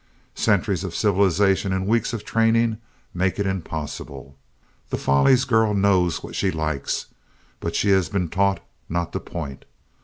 Centuries of civilization and weeks of training make it impossible. The Follies girl knows what she likes, but she has been taught not to point.